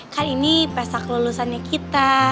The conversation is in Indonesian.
kan ini pesak lulusannya kita